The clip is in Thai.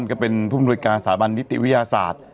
ก็เป็นผู้มนุยการสถาบันนิติวิทยาศาสตร์